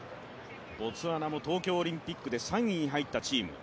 ボツワナも東京オリンピックで３位に入った選手。